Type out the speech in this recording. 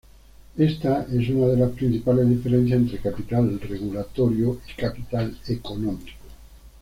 Esta es una de las principales diferencias entre capital regulatorio y Capital Económico.